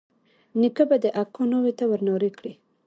نيکه به د اکا ناوې ته ورنارې کړې.